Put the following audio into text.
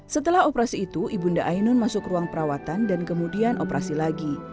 setelah operasi itu ibunda ainun masuk ruang perawatan dan kemudian operasi lagi